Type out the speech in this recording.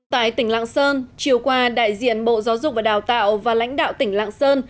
tại tỉnh lạng sơn chiều qua đại diện bộ giáo dục và đào tạo và lãnh đạo tỉnh lạng sơn